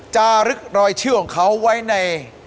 จารึกรอยเชื่อของเขาไว้ใน